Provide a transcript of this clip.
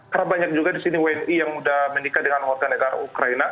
karena banyak juga di sini wni yang sudah menikah dengan warga negara ukraina